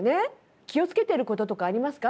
気をつけてることとかありますか？